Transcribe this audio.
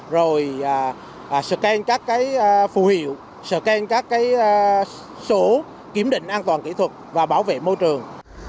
rồi scan các phù hiệu scan các số kiểm định an toàn kỹ thuật và bảo vệ môi trường